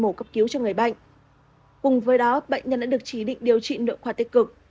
mổ cấp cứu cho người bệnh cùng với đó bệnh nhân đã được chỉ định điều trị nội khoa tích cực